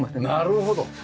なるほど！